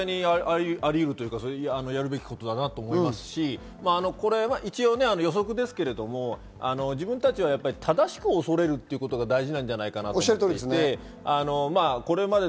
それはやるべきだなと思いますし、これは予測ですけれど、自分たちはやはり正しく恐れるということが大事なんじゃないかなと思います。